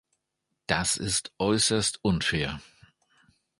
Das ist äußerst unfair.